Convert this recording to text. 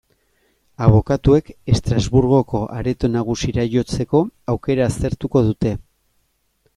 Abokatuek Estrasburgoko Areto Nagusira jotzeko aukera aztertuko dute.